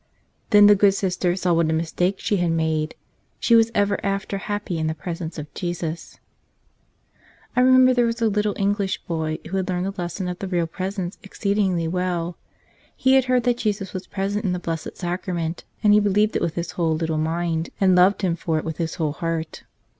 Then the good Sister saw what a mistake she had made. She was ever after happy in the presence of Jesus. I remember there was a little English boy who had learned the lesson of the Real Presence exceedingly well. He had heard that Jesus was present in the Blessed Sacrament, and he believed it with his whole little mind and loved Him for it with his whole heart.